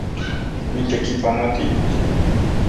Nitekipanoti